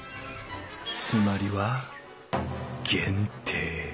つまりは「限定」